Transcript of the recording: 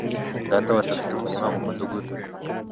Datawacu afite umurima mu mudugudu.